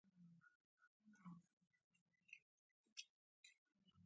د خیر د کار داسې جذبه راپاروي.